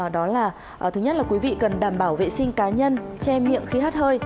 đó là thứ nhất là quý vị cần đảm bảo vệ sinh cá nhân che miệng khi hát hơi